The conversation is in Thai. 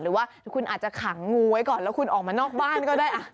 หรือว่าคุณอาจจะขังงูไว้ก่อนแล้วคุณออกมานอกบ้านก็ได้